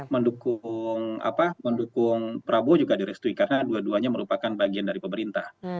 mendukung prabowo juga direstui karena dua duanya merupakan bagian dari pemerintah